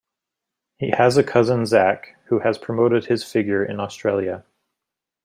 He has a cousin, Zac, who has promoted his figure in Australia.